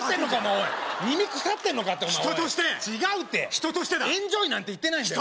おい耳腐ってんのかって人として人としてだ違うってエンジョイなんて言ってないんだよ